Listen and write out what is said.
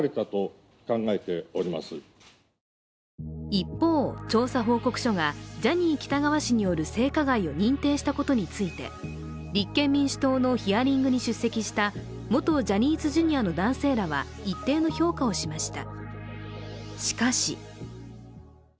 一方、調査報告書がジャニー喜多川氏による性加害を認定したことについて立憲民主党のヒアリングに出席した元ジャニーズＪｒ．の男性らは一定の評価をしました。